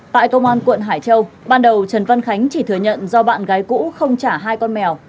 tại công an quận hải châu ban đầu trần văn khánh chỉ thừa nhận do bạn gái cũ không trả hai con mèo